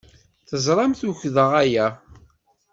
Teẓramt ukḍeɣ aya.